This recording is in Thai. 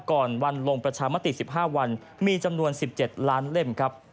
ก่อนวันลงประชามติ๑๕วันมีจำนวน๑๗ล้านเล่มครับ